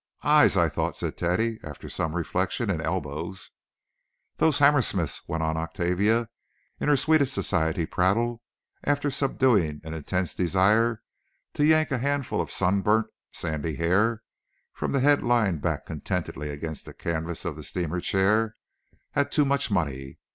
"Eyes, I thought," said Teddy, after some reflection; "and elbows." "Those Hammersmiths," went on Octavia, in her sweetest society prattle, after subduing an intense desire to yank a handful of sunburnt, sandy hair from the head lying back contentedly against the canvas of the steamer chair, "had too much money.